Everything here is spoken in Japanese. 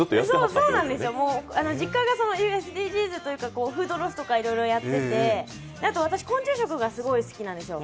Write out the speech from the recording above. そうなんですよ、実家がＳＤＧｓというか、フードロスとかいろいろやってて、私、昆虫食がすごく好きなんですよ。